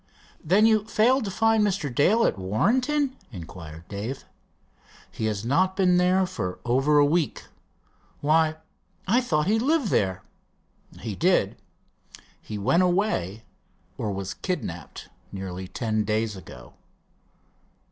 "Then you failed to find Mr. Dale at Warrenton?" inquired Dave. "He has not been there for over a week." "Why, I thought he lived there?" "He did. He went away, or was kidnapped, nearly ten days ago."